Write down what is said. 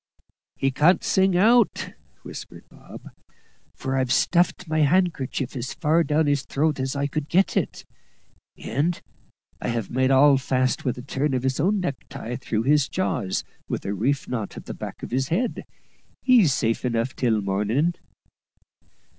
"He can't sing out," whispered Bob, "for I've stuffed my han'kercher as far down his throat as I could get it, and have made all fast with a turn of his own necktie through his jaws with a reef knot at the back of his head. He's safe enough till morning."